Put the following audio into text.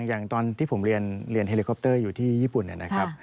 อย่างที่ผมเรียนเฮลิคอปเตอร์อยู่ที่ญี่ปุ่นนะครับ